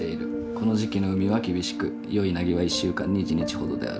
この時期の海は厳しく良い凪は１週間に１日ほどである。